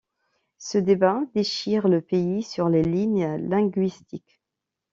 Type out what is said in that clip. Ce débat déchire le pays sur les lignes linguistiques.